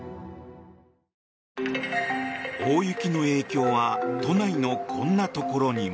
大雪の影響は都内のこんなところにも。